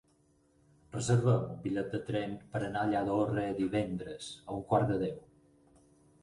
Reserva'm un bitllet de tren per anar a Lladorre divendres a un quart de deu.